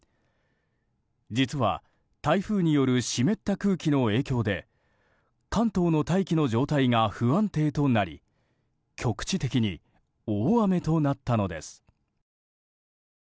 実は、台風による湿った空気の影響で関東の大気の状態が不安定となり局地的に大雨となったのです。